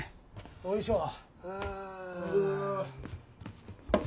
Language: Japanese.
おいしょ。